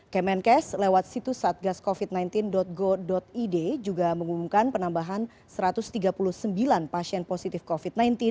kemenkes lewat situs satgascovid sembilan belas go id juga mengumumkan penambahan satu ratus tiga puluh sembilan pasien positif covid sembilan belas